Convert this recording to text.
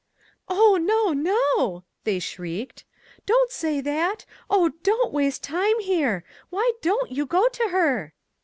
"Oh, no, no," they shrieked; "don't say MAG AND MARGARET that Oh, don't waste time here! Why don't you go to her